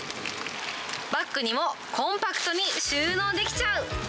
バッグにもコンパクトに収納できちゃう。